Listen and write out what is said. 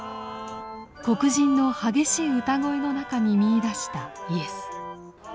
黒人の激しい歌声の中に見いだしたイエス。